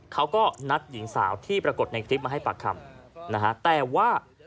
เขาก็นัดหญิงสาวที่ปรากฏในคลิปมาให้ปากคำนะฮะแต่ว่า